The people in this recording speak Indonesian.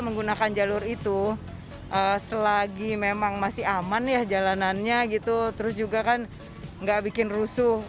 menggunakan jalur itu selagi memang masih aman ya jalanannya gitu terus juga kan enggak bikin rusuh